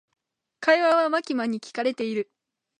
会話はマキマに聞かれている。